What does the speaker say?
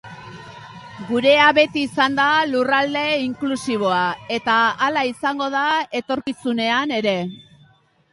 Gurea beti izan da lurralde inklusiboa eta hala izango da etorkizunean ere.